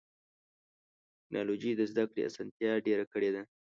ټکنالوجي د زدهکړې اسانتیا ډېره کړې ده.